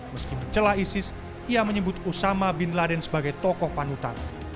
meski mencelah isis ia menyebut usama bin laden sebagai tokoh panutan